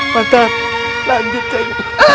mantap lanjut cak